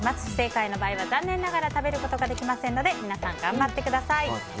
不正解の場合は残念ながら食べることができませんので皆さん、頑張ってください。